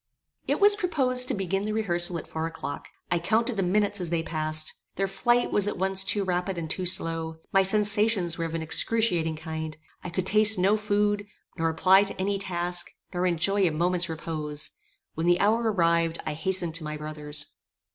It was proposed to begin the rehearsal at four o'clock; I counted the minutes as they passed; their flight was at once too rapid and too slow; my sensations were of an excruciating kind; I could taste no food, nor apply to any task, nor enjoy a moment's repose: when the hour arrived, I hastened to my brother's.